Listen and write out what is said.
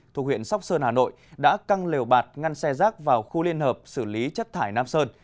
thuộc huyện sóc sơn hà nội đã căng lều bạt ngăn xe rác vào khu liên hợp xử lý chất thải nam sơn